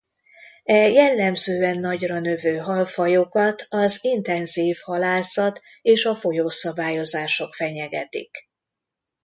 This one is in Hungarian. E jellemzően nagyra növő halfajokat az intenzív halászat és a folyószabályozások fenyegetik.